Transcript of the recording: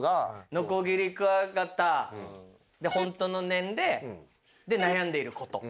ノコギリクワガタでホントの年齢で悩んでいる事。